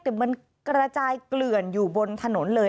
แต่มันกระจายเกลื่อนอยู่บนถนนเลย